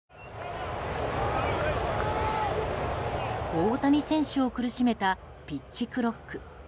大谷選手を苦しめたピッチクロック。